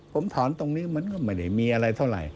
ผมถอนตรงนี้มันก็ไม่ได้มีอะไรเท่าไหร่